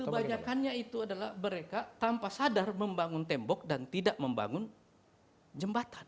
kebanyakannya itu adalah mereka tanpa sadar membangun tembok dan tidak membangun jembatan